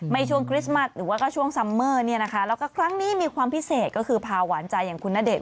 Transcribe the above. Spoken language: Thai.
ช่วงคริสต์มัสหรือว่าก็ช่วงซัมเมอร์เนี่ยนะคะแล้วก็ครั้งนี้มีความพิเศษก็คือพาหวานใจอย่างคุณณเดชน